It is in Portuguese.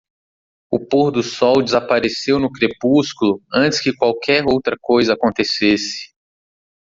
O pôr do sol desapareceu no crepúsculo antes que qualquer outra coisa acontecesse.